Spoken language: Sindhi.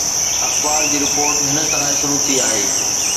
اخبار جي رپورٽ هن طرح شروع ٿي آهي